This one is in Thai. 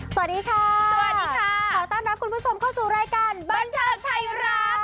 สวัสดีค่ะสวัสดีค่ะขอต้อนรับคุณผู้ชมเข้าสู่รายการบันเทิงไทยรัฐ